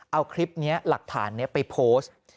เอาคลิปนี้หลักฐานนี้ไปโพสต์